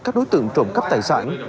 các đối tượng trộm cắp tài sản